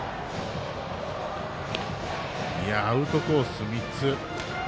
アウトコース、３つ。